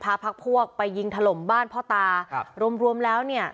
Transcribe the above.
พักพวกไปยิงถล่มบ้านพ่อตาครับรวมรวมแล้วเนี่ย